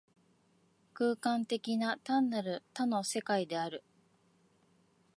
空間的な、単なる多の世界である。